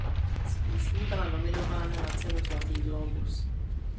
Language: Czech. S písní byla nominovaná na cenu Zlatý glóbus.